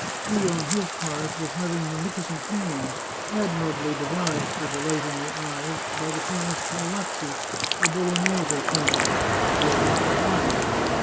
He, on his part, was having magnificent hangings — admirably devised for delighting the eyes, by the famous Pallazzi, a Bolognese painter — woven at Lyons.